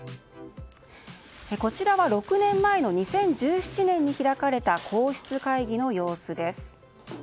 こちらは６年前の２０１７年に開かれた皇室会議の様子です。